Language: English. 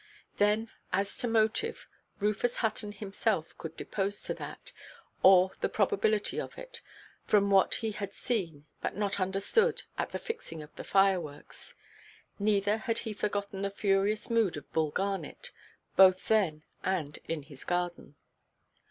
Then as to motive, Rufus Hutton himself could depose to that, or the probability of it, from what he had seen, but not understood, at the fixing of the fireworks; neither had he forgotten the furious mood of Bull Garnet, both then and in his garden.